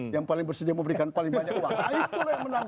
yang paling bersedia memberikan paling banyak uang